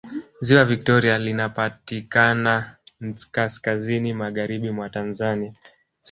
Ziwa Viktoria linapatikanankaskazini Magharibi mwa Tanzania